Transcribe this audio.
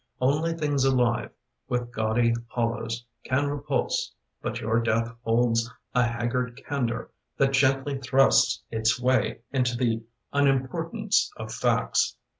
Only things alive, with gaudy hollows, Can repulse, but your death holds A haggard candour that gently thrusts its way Into the unimportance of facts.